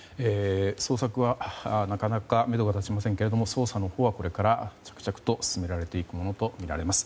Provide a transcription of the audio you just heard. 捜索はなかなかめどが立ちませんが捜査のほうはこれから着々と進められていくものとみられます。